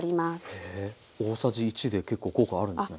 大さじ１で結構効果あるんですね。